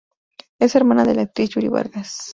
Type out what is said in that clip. Es hermana de la actriz Yuri Vargas.